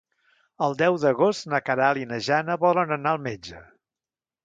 El deu d'agost na Queralt i na Jana volen anar al metge.